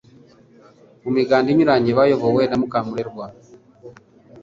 mu miganda inyuranye bayobowe na Mukamurerwa